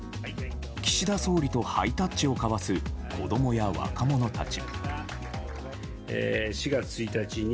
岸田総理とハイタッチを交わす子供や若者たち。